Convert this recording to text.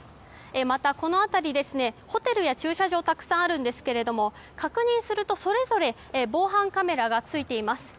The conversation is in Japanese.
また、この辺りホテルや駐車場がよくあるんですが確認すると、それぞれ防犯カメラがついています。